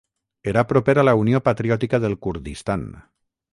Era proper a la Unió Patriòtica del Kurdistan.